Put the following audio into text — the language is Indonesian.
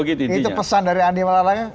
itu pesan dari andi malarangeng